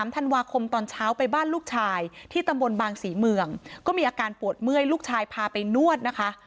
ธันวาคมตอนเช้าไปบ้านลูกชายที่ตำบลบางศรีเมืองก็มีอาการปวดเมื่อยลูกชายพาไปนวดนะคะ